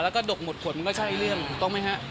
แล้วก็ดกหมดขวดมันก็ใช่เรื่องรู้ตัวไหมค่ะ